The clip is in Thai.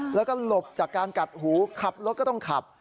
แล้วก็หลบจากการกัดหูขับรถก็ต้องขับ